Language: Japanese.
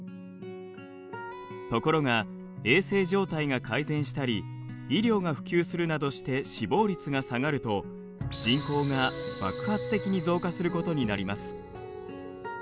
ところが衛生状態が改善したり医療が普及するなどして死亡率が下がると人口が爆発的に増加することになります。